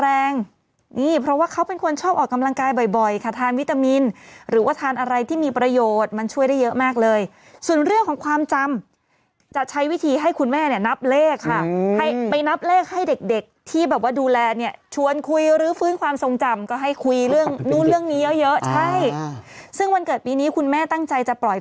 แรงนี่เพราะว่าเขาเป็นคนชอบออกกำลังกายบ่อยค่ะทานวิตามินหรือว่าทานอะไรที่มีประโยชน์มันช่วยได้เยอะมากเลยส่วนเรื่องของความจำจะใช้วิธีให้คุณแม่เนี่ยนับเลขค่ะให้ไปนับเลขให้เด็กเด็กที่แบบว่าดูแลเนี่ยชวนคุยรื้อฟื้นความทรงจำก็ให้คุยเรื่องนู้นเรื่องนี้เยอะเยอะใช่ซึ่งวันเกิดปีนี้คุณแม่ตั้งใจจะปล่อย